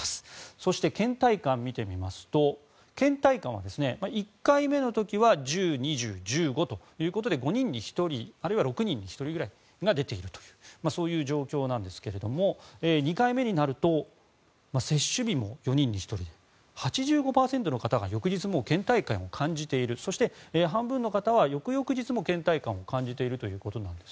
そして、けん怠感を見てみますとけん怠感は１回目の時は１０、２０、１５ということで５人に１人あるいは６人に１人ぐらいが出ているというそういう状況なんですが２回目になると接種日も４人に１人８５％の方が翌日もう、けん怠感を感じているそして、半分の方は翌々日もけん怠感を感じているということなんです。